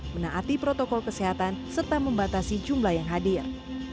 menaati protokol kesehatan serta membatasi jumlah yang hadir